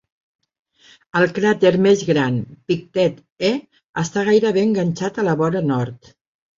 El cràter més gran, Pictet E, està gairebé enganxat a la vora nord.